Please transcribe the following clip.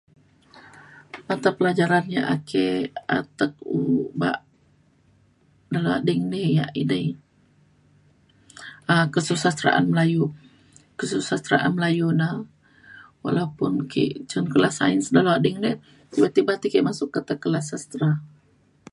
matapelajaran yak ake atek obak dalau ading ni yak edei um kesusasteraan Melayu. kesusasteraan Melayu na walaupun ke cen kelas Sains dalau ading de tiba tiba ti ke masuk kata kelas sastera.